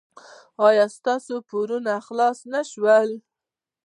ایا ستاسو پورونه خلاص نه شول؟